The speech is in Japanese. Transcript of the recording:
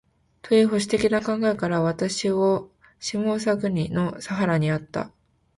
という保守的な考えから、私を下総国（千葉県）の佐原にあった